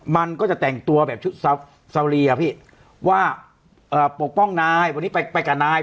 มันก็จะแต่งตัวแบบชุดซารีอะพี่ว่าเอ่อปกป้องนายวันนี้ไปไปกับนาย